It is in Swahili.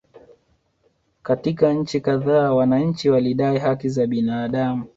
Katika nchi kadhaa wananchi walidai haki za binadamu